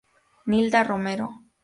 Nilda Romero.